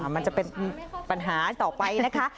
มันจะเป็นปัญหาต่อไปนะคะ